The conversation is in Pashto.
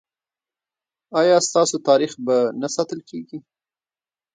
ایا ستاسو تاریخ به نه ساتل کیږي؟